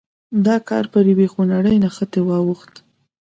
دا کار پر یوې خونړۍ نښتې واوښت.